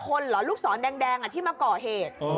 คนเหรอลูกศรแดงที่มาก่อเหตุ